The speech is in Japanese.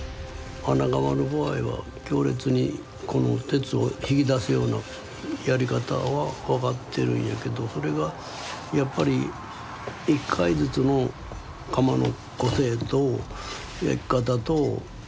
穴窯の場合は強烈にこの鉄を引き出すようなやり方は分かってるんやけどそれがやっぱり１回ずつの窯の個性と焼き方とによっても全て変わってくる。